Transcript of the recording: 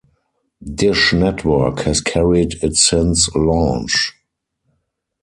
Dish Network has carried it since launch.